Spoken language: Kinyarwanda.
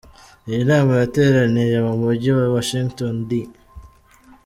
Iyi nama yateraniye mu Mujyi wa Washington, D.